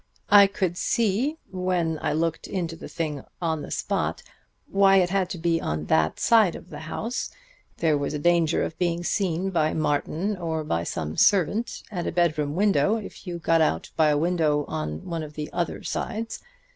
I could see when I looked into the thing on the spot why it had to be on that side of the house; there was a danger of being seen by Martin or by some servant at a bedroom window if you got out by a window on one of the other sides.